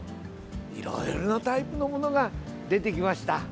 いろいろなタイプのものが出てきました。